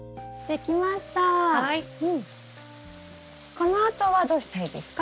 このあとはどうしたらいいですか？